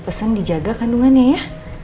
pesen dijaga kandungannya ya